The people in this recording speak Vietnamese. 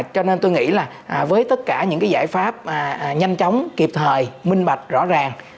cho nên tôi nghĩ là với tất cả những giải pháp nhanh chóng kịp thời minh bạch rõ ràng